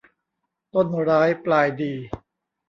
ต้นร้ายปลายดี